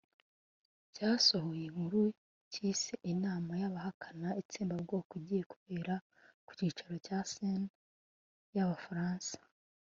cyasohoye inkuru cyise inama y'abahakana itsembabwoko igiye kubera ku cyicaro cya sénat y'abafaransa